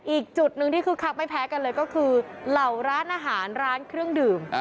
อีกจุดหนึ่งที่คึกคักไม่แพ้กันเลยก็คือเหล่าร้านอาหารร้านเครื่องดื่ม